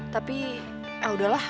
tapi eh udahlah